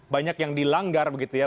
banyak yang dilanggar begitu ya